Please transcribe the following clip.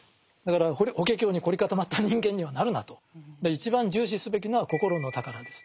一番重視すべきなのは「心の財」ですと。